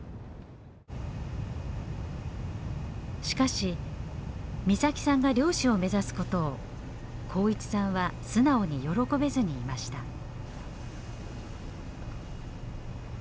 しかし岬さんが漁師を目指すことを幸一さんは素直に喜べずにいました。